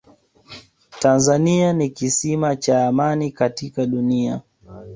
tanzania ni kisima cha amani katika dunia